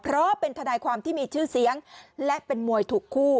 เพราะเป็นทนายความที่มีชื่อเสียงและเป็นมวยถูกคู่